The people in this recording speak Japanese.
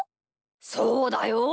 そうだよ。